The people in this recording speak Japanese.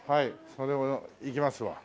それをいきますわ。